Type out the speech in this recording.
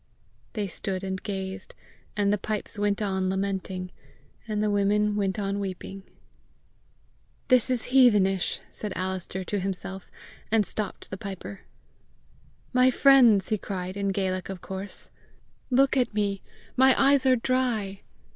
They stood and gazed, and the pipes went on lamenting, and the women went on weeping. "This is heathenish!" said Alister to himself, and stopped the piper. "My friends," he cried, in Gaelic of course, "look at me: my eyes are dry!